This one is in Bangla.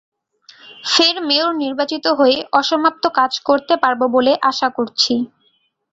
ফের মেয়র নির্বাচিত হয়ে অসমাপ্ত কাজ করতে পারব বলে আশা করছি।